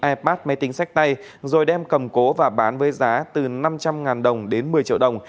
airpat máy tính sách tay rồi đem cầm cố và bán với giá từ năm trăm linh đồng đến một mươi triệu đồng